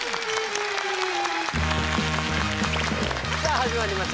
さあ始まりました